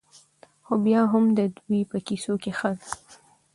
؛ خو بيا هم د دوى په کيسو کې ښځه